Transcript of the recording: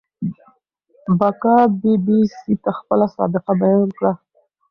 بکا بي بي سي ته خپله سابقه بيان کړه.